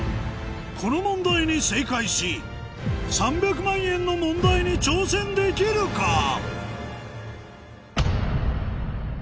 この問題に正解し３００万円の問題に挑戦できるか？